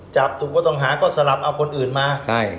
จับถูกก็ต้องหาก็สลับเอาคนอื่นมาใช่